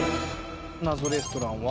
謎レストランは。